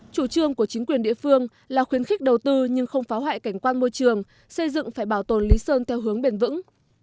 chủ trương của chính quyền địa phương là khuyến khích đầu tư nhưng không phá hoại cảnh quan môi trường xây dựng phải bảo tồn lý sơn theo hướng bền vững